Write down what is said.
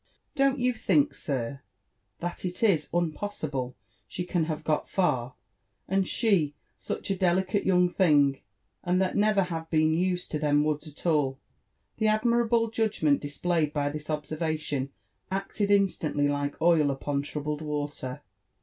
"Don't you think, sir, that it is unpossible she can have got far, and she such a dehcate young thing, and that never have been used to them woods at all?" The admirable judgment displayed by this observation acted in stantly like oil upon troubled water.